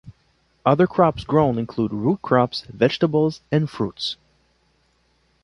Other crops grown include root crops, vegetables and fruits.